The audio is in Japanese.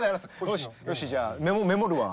よしよしじゃあメモるわ。